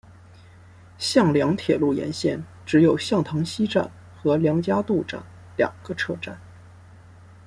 向梁铁路沿线只有向塘西站和梁家渡站两个车站。